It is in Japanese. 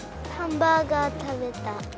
ハンバーガー食べた。